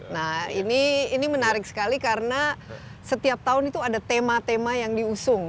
nah ini menarik sekali karena setiap tahun itu ada tema tema yang diusung